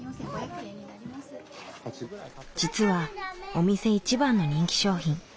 実はお店一番の人気商品。